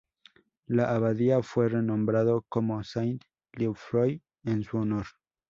La abadía fue renombrado como Saint-Leufroy en su honor.